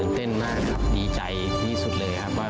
เต้นเต้นมากครับดีใจดีสุดเลยครับ